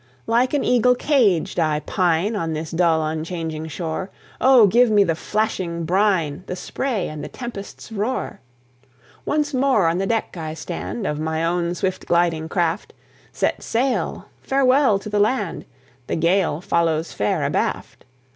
Like an eagle caged, I pine On this dull, unchanging shore: Oh! give me the flashing brine, The spray and the tempest's roar! Once more on the deck I stand Of my own swift gliding craft: Set sail! farewell to the land! The gale follows fair abaft.